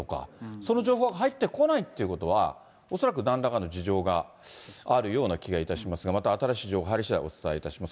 その情報が入ってこないってことは、恐らくなんらかの事情があるような気がいたしますが、また新しい情報入りしだい、お伝えいたします。